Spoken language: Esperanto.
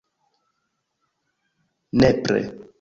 Nepre!